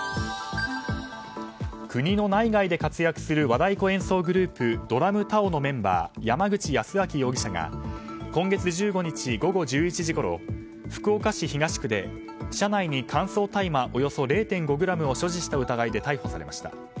国の内外で活躍する和太鼓演奏グループＤＲＵＭＴＡＯのメンバー山口泰明容疑者が今月１５日午後１１時ごろ福岡市東区で車内に乾燥大麻およそ０．５ｇを所持した疑いで逮捕されました。